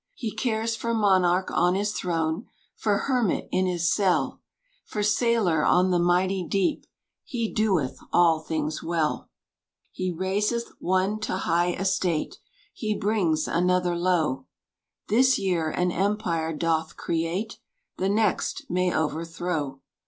He cares for monarch on his throne, For hermit in his cell, For sailor on the mighty deep "He doeth all things well." He raiseth one to high estate, He brings another low; This year an empire doth create The next may overthrow.